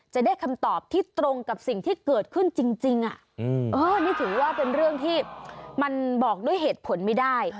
จะได้คำตอบที่ตรงกับสิ่งที่เกิดขึ้นจริงนี่ถือว่าเป็นเรื่องที่มันบอกด้วยเหตุผลไม่ได้